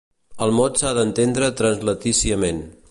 El mot s'ha d'entendre translatíciament.